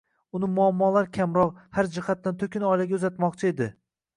Uni muamolar kamroq, har jihatdan to'kin oilaga uzatmoqchi edi.